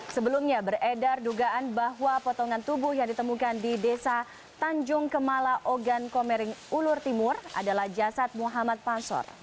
sebelumnya beredar dugaan bahwa potongan tubuh yang ditemukan di desa tanjung kemala ogan komering ulur timur adalah jasad muhammad pansor